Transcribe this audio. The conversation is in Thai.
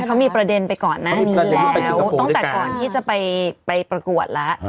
เขามีประเด็นไปก่อนหน้านี้แล้วตั้งแต่ก่อนที่จะไปประกวดแล้ว